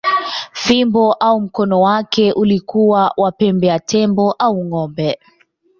Fimbo au mkono wake ulikuwa wa pembe ya tembo au ng’ombe.